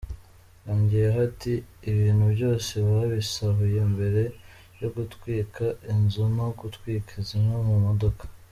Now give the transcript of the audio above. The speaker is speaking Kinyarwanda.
Yongeyeho ati " Ibintu byose babisahuye mbere yo gutwika inzu no gutwika zimwe mu modoka.